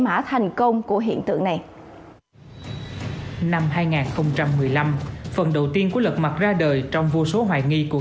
mã thành công của hiện tượng này năm hai nghìn một mươi năm phần đầu tiên của lật mặt ra đời trong vô số hoài nghi cuộc